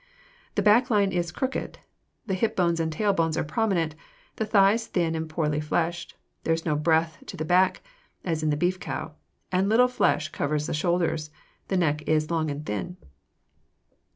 The back line is crooked, the hip bones and tail bone are prominent, the thighs thin and poorly fleshed; there is no breadth to the back, as in the beef cow, and little flesh covers the shoulders; the neck is long and thin.